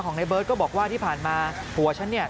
ในเบิร์ตก็บอกว่าที่ผ่านมาผัวฉันเนี่ย